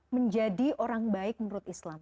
menjadi orang baik menurut islam